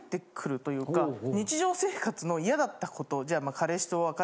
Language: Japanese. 日常生活の嫌だったことじゃあまあ。